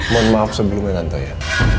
mauin maaf sebelumnya nantoya